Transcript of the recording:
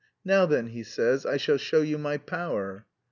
'Now then,' he says, 'I shall show you my power'...